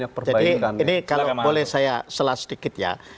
jadi ini kalau boleh saya selas sedikit ya